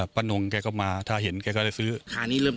ปั่นหรงมาถ้าเห็นก็ได้ซื้อ